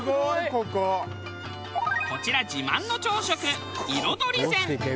こちら自慢の朝食彩り膳。